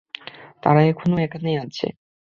তারা এখনো এখানেই আছে।